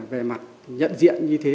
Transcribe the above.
về mặt nhận diện như thế